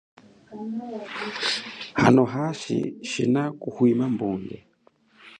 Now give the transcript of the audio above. Hano hashi shina kuhwima mbunge.